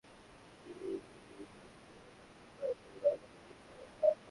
তুমি রিহার্সেলে নাকি, পাইকারি মার্কেটে গিয়েছিলে?